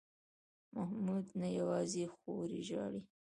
محمود نه یوازې خور یې ژاړي.